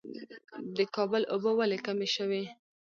د کابل اوبه ولې کمې شوې؟